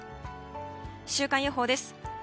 週間予報です。